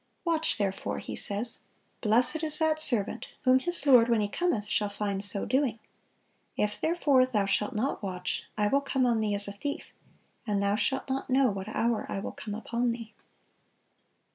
"Watch therefore," He says; "blessed is that servant, whom his Lord when He cometh shall find so doing."(612) "If therefore thou shalt not watch, I will come on thee as a thief, and thou shalt not know what hour I will come upon thee."